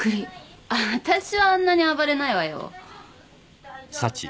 あたしはあんなに暴れないわよ。